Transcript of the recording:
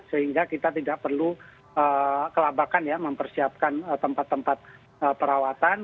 sehingga kita tidak perlu kelabakan ya mempersiapkan tempat tempat perawatan